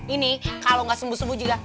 ini kalo gak sembuh sembuh juga